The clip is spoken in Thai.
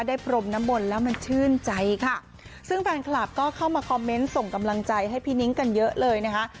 พรมน้ำมนต์แล้วมันชื่นใจค่ะซึ่งแฟนคลับก็เข้ามาคอมเมนต์ส่งกำลังใจให้พี่นิ้งกันเยอะเลยนะคะ